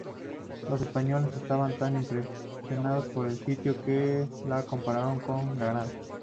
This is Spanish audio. Los españoles estaban tan impresionados por el sitio que lo compararon con Granada.